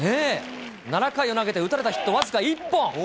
７回を投げて打たれたヒット僅か１本。